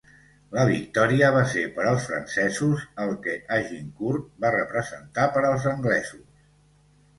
La victòria va ser per als francesos el que Agincourt va representar per als anglesos.